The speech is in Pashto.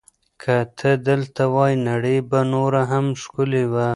که ته دلته وای، نړۍ به نوره هم ښکلې وه.